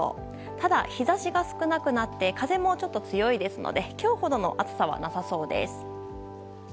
ただ、日差しが少なくなって風もちょっと強いので今日ほどの暑さはなさそうです。